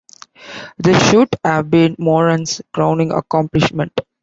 This should have been Moran's crowning accomplishment.